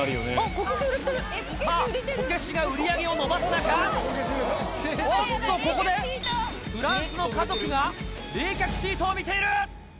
さあ、こけしが売り上げを伸ばす中、おっと、ここで、フランスの家族が冷却シートを見ている。